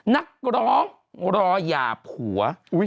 นักร้องรอย่าผัว